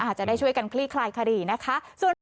อาจจะได้ช่วยกันคลี่คลายคดีนะคะ